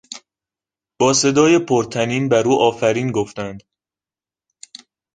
با صدای پر طنین بر او آفرین گفتند.